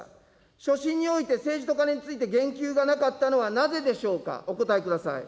所信において政治とカネについて言及がなかったのはなぜでしょうか、お答えください。